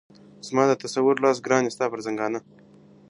زما د تصور لاس گراني ستا پر ځــنگانـه.